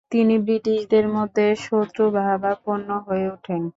তিনি ব্রিটিশদের প্রতি শত্রুভাবাপন্ন হয়ে ওঠেন।